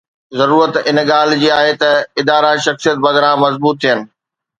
ضرورت ان ڳالهه جي آهي ته ادارا ”شخصيت“ بدران مضبوط ٿين.